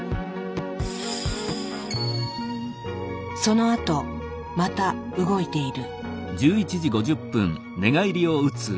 そのあとまた動いている。